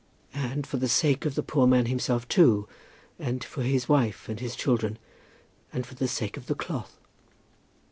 "And for the sake of the poor man himself too, and for his wife, and his children; and for the sake of the cloth."